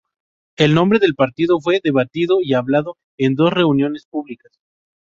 El nombre del partido fue "debatido y hablado en dos reuniones públicas".